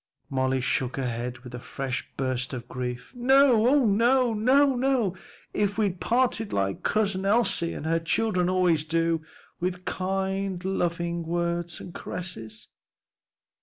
Molly shook her head with a fresh burst of grief. "No, oh no! oh, if we'd parted like Cousin Elsie and her children always do! with kind, loving words and caresses."